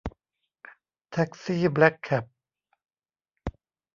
แท็กซี่แบล็คแค็บ